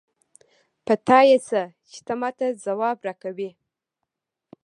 په تا يې څه؛ چې ته ما ته ځواب راکوې.